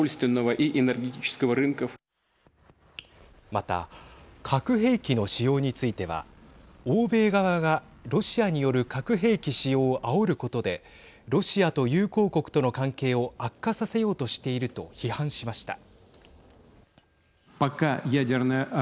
また、核兵器の使用については欧米側が、ロシアによる核兵器使用をあおることでロシアと友好国との関係を悪化させようとしていると批判しました。